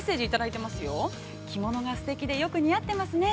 着物がすてきで、よく似合ってますね。